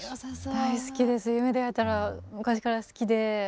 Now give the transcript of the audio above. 大好きです「夢でえたら」昔から好きで。